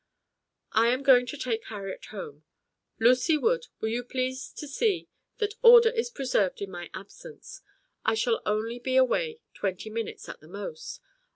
"I am going to take Harriet home. Lucy Wood, you will please to see that order is preserved in my absence; I shall only be away twenty minutes, at the most.